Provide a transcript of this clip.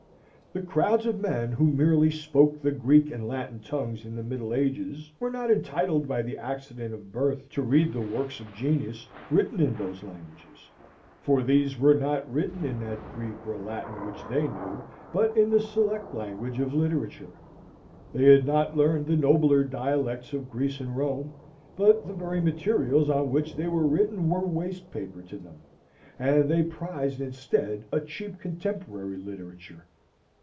The crowds of men who merely spoke the Greek and Latin tongues in the middle ages were not entitled by the accident of birth to read the works of genius written in those languages; for these were not written in that Greek or Latin which they knew, but in the select language of literature. They had not learned the nobler dialects of Greece and Rome, but the very materials on which they were written were waste paper to them, and they prized instead a cheap contemporary literature.